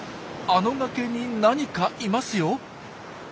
あの崖に何かいますよ。